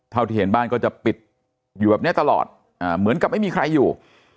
เท่าที่เห็นบ้านก็จะปิดอยู่แบบนี้ตลอดเหมือนกับไม่มีใครอยู่